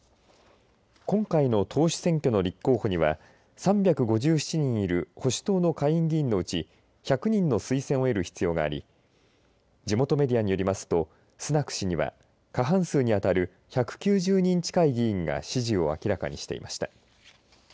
今回の党首選挙の立候補には、３５７人いる保守党の下院議員のうち、１００人の推薦を得る必要があり、地元メディアによりますと、スナク氏には、過半数に当たる１９０人近い議員が支持を明らかにしていました。